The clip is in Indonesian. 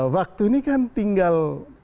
waktu ini kan tinggal